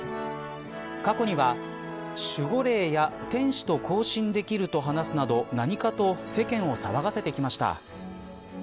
過去には守護霊や天使と交信できると話すなど何かと世間を騒がせてきました。